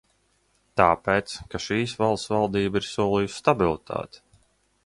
Tāpēc, ka šīs valsts valdība ir solījusi stabilitāti.